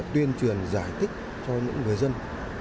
tuyên truyền giải thích cho những người dân